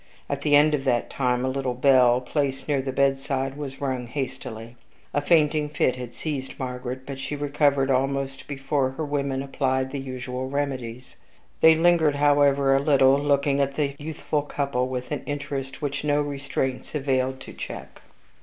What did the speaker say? At the end of that time, a little bell, placed near the bedside, was rung hastily. A fainting fit had seized Margaret; but she recovered almost before her women applied the usual remedies. They lingered, however, a little, looking at the youthful couple with an interest which no restraints availed to check.